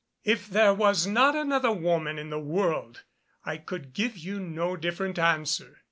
If there was not another woman in the world, I could give you no different answer."